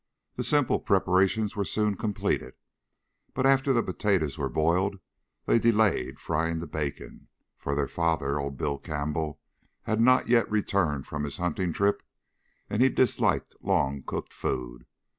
The simple preparations were soon completed, but after the potatoes were boiled, they delayed frying the bacon, for their father, old Bill Campbell, had not yet returned from his hunting trip and he disliked long cooked food.